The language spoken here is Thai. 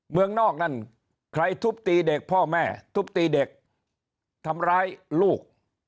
เมืองนอกนั่นใครทุบตีเด็กพ่อแม่ทุบตีเด็กทำร้ายลูก